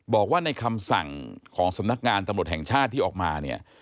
บอกว่าในคำสั่งของสำนักงานตำรวจแห่งชาติที่ออกมาเนี่ย